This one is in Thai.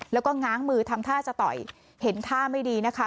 แล้วก็ง้างมือทำท่าจะต่อยเห็นท่าไม่ดีนะคะ